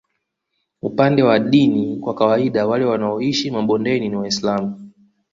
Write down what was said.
Upande wa dini kwa kawaida wale wanaoishi mabondeni ni Waislamu